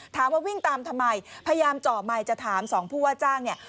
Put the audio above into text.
ถามว่าวิ่งตามทำไมพยายามเจาะไมค์จะถามสองผู้ว่าจ้างเนี่ย